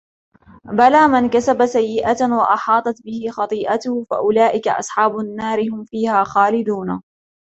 بلى من كسب سيئة وأحاطت به خطيئته فأولئك أصحاب النار هم فيها خالدون